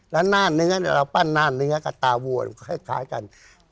แล้วหน้าเนื้อเราปั้นหน้าเนื้อกับตาวัวคล้ายกัน